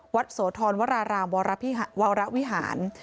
โสธรวรารามวรวิหาร